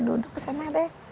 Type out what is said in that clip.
duduk kesana deh